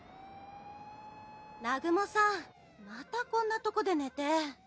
南雲さんまたこんなとこでん？